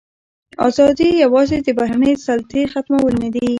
ازادي یوازې د بهرنۍ سلطې ختمول نه دي.